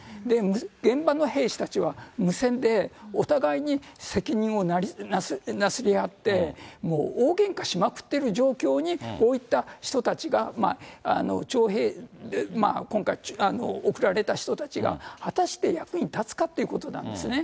現場の兵士たちは、無線でお互いに責任をなすり合って、もう大げんかしまくってる状況に置いた人たちが、徴兵、今回、送られた人たちが、果たして役に立つかってことなんですね。